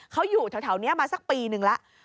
เขาอยู่แถวนี้มาสักปีนึงแล้ว